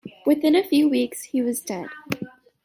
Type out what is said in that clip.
Within a few weeks, he was dead.